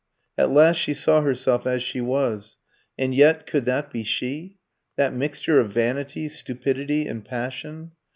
At last she saw herself as she was. And yet could that be she? That mixture of vanity, stupidity, and passion?